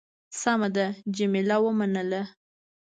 سمه ده. جميله ومنله.